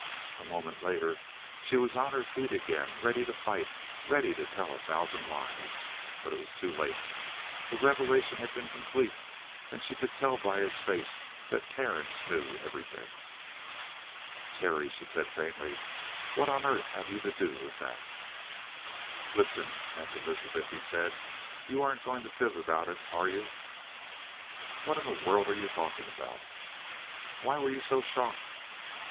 A moment later she was on her feet again, ready to fight, ready to tell a thousand lies. But it was too late. The revelation had been complete and she could tell by his face that Terence knew everything. "Terry," she said faintly, "what on earth have you to do with that " "Listen, Aunt Elizabeth," he said, "you aren't going to fib about it, are you?" "What in the world are you talking about?" "Why were you so shocked?"